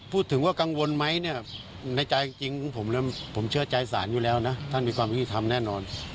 พูดถึงว่ากังวลไม๊เนี่ยในใจจริงผมพี่ผมเชื่อใจสารอยู่แล้วนะถ้ามีความคิดทำแน่นอน